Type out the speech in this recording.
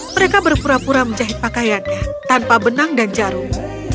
mereka berpura pura menjahit pakaiannya tanpa benang dan jarum